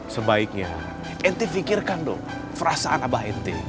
sebaiknya ente fikirkan dong perasaan abah ente